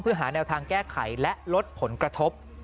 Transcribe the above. เพื่อหาแนวทางแก้ไขและลดผลกระทบ